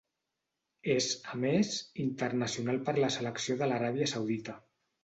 És, a més, internacional per la selecció de l'Aràbia Saudita.